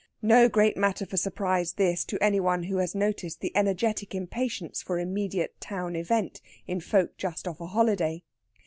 No great matter for surprise, this, to any one who has noticed the energetic impatience for immediate town event in folk just off a holiday.